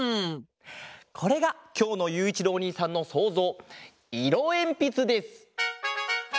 これがきょうのゆういちろうおにいさんのそうぞう「いろえんぴつ」です！